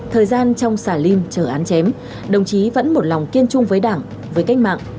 thời gian trong xả linh chờ án chém đồng chí vẫn một lòng kiên trung với đảng với cách mạng